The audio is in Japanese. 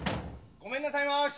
ごめんなさいまし！